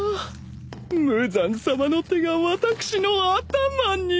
無惨さまの手が私の頭に